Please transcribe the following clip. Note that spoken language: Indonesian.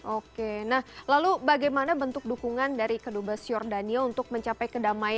oke nah lalu bagaimana bentuk dukungan dari kedua belah siordania untuk mencapai kedamaian